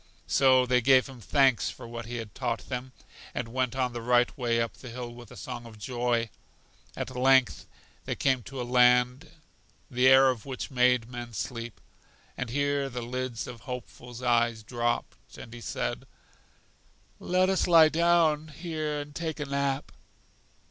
So they gave him thanks for what he had taught them, and went on the right way up the hill with a song of joy. At length they came to a land the air of which made men sleep, and here the lids of Hopeful's eyes dropped, and he said: Let us lie down here and take a nap.